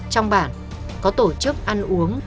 trong bản có tổ chức ăn uống